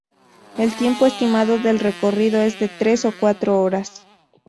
El tiempo estimado del recorrido es de tres o cuatro horas.